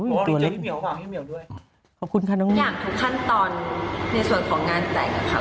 อย่างทุกขั้นตอนในส่วนของงานแต่ง